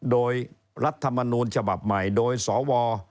โดยรัฐมนูลฉบับใหม่โดยสว